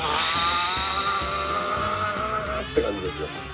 「ぶーんって感じですよ」